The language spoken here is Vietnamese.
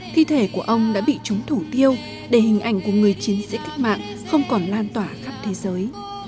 thi thể của ông đã bị trúng thủ tiêu để hình ảnh của người chiến sĩ cách mạng không còn lan tỏa khắp thế giới